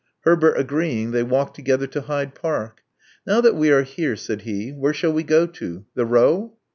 Herbert agreeing, they walked together to Hyde Park. *'Now that we are here," said he, where shall we go to? The Row?"